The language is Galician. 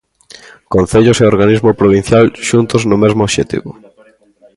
Concellos e organismo provincial xuntos no mesmo obxectivo.